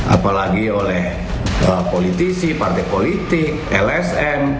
apalagi oleh politisi partai politik lsm